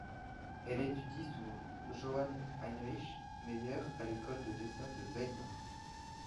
Elle étudie sous Johann Heinrich Meyer à l'école de dessin de Weimar.